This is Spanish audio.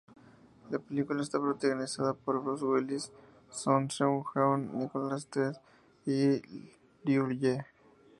La película está protagonizada por Bruce Willis, Song Seung-heon, Nicholas Tse y Liu Ye.